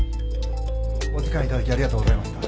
お時間頂きありがとうございました。